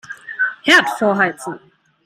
Herd vorheizen.